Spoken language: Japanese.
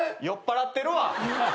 酔っぱらってるわ。